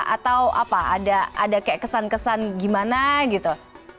atau ada kesan kesan gimana gitu